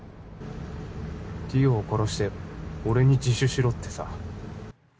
莉桜を殺して俺に自首しろってさ